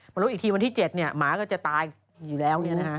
หรืออีกทีวันที่๗เนี่ยหมาก็จะตายอยู่แล้วเนี่ยนะฮะ